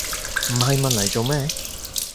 唔係問黎做咩